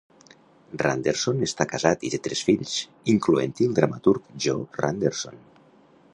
Randerson està casat i té tres fills, incloent-hi el dramaturg Jo Randerson.